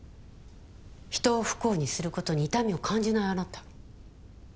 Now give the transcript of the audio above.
人を不幸にする事に痛みを感じないあなた。